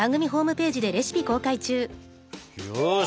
よし！